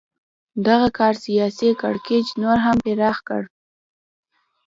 دغه کار سیاسي کړکېچ نور هم پراخ کړ.